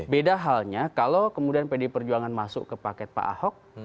beda halnya kalau kemudian pdi perjuangan masuk ke paket pak ahok